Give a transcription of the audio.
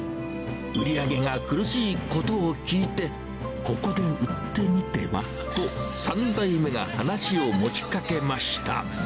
売り上げが苦しいことを聞いて、ここで売ってみてはと、３代目が話を持ちかけました。